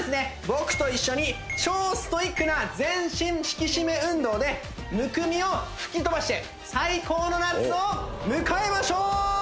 僕と一緒に超ストイックな全身引き締め運動でむくみを吹き飛ばして最高の夏を迎えましょう！